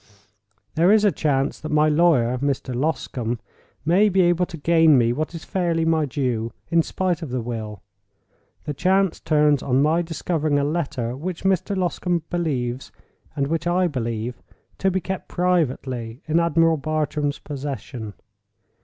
There is a chance that my lawyer, Mr. Loscombe, may be able to gain me what is fairly my due, in spite of the will. The chance turns on my discovering a letter which Mr. Loscombe believes, and which I believe, to be kept privately in Admiral Bartram's possession.